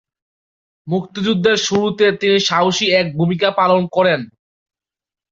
মুক্তিযুদ্ধের শুরুতে তিনি সাহসী এক ভূমিকা পালন করেন।